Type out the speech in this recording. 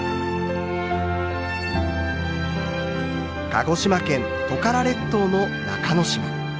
鹿児島県トカラ列島の中之島。